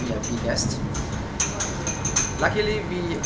di mana kami menghubungkan banyak penghubungan vip